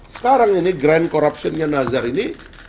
sekarang ini grand corruption nya nazar ini